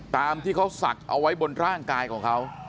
ตามที่เขาศักดิ์เอาไว้บนร่างกายของเขา